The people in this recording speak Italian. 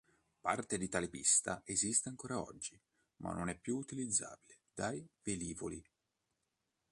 Parte di tale pista esiste ancora oggi, ma non è più utilizzabile dai velivoli.